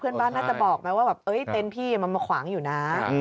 เพื่อนบ้านน่าจะบอกไหมว่าเต็นต์พี่มันมาขวางอยู่นะ